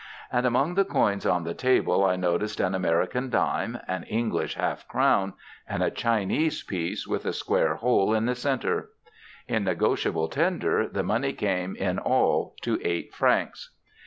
And among the coins on the table I noticed an American dime, an English half crown and a Chinese piece with a square hole in the center. In negotiable tender the money came in all to eight francs.